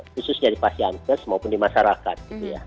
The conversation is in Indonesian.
khususnya di pasiankes maupun di masyarakat